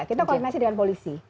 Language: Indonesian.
kita koordinasi dengan polisi